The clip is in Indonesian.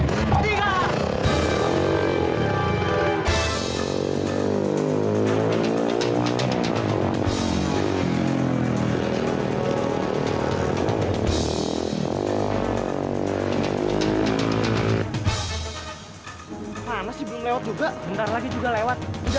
bentar lagi juga lewat udah gak ada